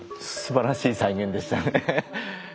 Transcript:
すばらしい再現でしたね。